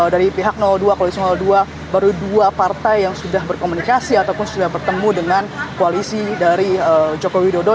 dari pihak dua koalisi dua baru dua partai yang sudah berkomunikasi ataupun sudah bertemu dengan koalisi dari jokowi dodo